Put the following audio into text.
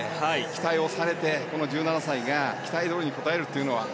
期待をされて、１７歳が期待どおりに応えるのは。